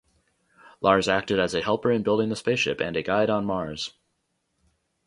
Lars acted as a helper in building the spaceship and a guide on Mars.